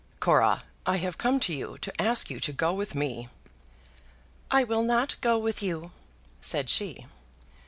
"Cora, I have come to you, to ask you to go with me." "I will not go with you," said she.